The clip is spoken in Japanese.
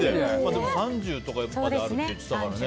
でも３０まであるって言ってたからね。